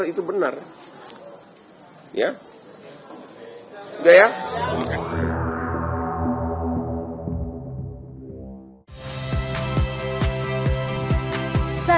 dari mana gue tahu